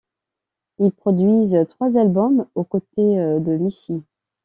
Ils produisent trois albums aux côtés de Missy.